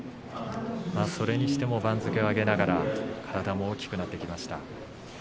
それにしても番付を上げながら体も大きくなってきました。